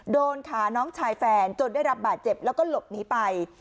โดนขาน้องชายแฟนจนได้รับบาดเจ็บแล้วก็หลบหนีไป